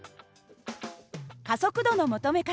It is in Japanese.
加速度の求め方。